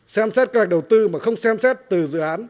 xem xét kế hoạch đầu tư mà không xem xét từ dự án